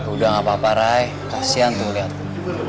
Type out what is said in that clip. udah gak apa apa rai kasihan tuh liatmu